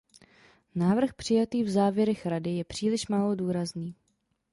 Návrh přijatý v závěrech Rady je příliš málo důrazný.